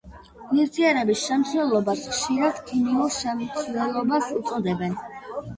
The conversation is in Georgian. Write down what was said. ნივთიერების შემცველობას ხშირად ქიმიურ შემცველობას უწოდებენ.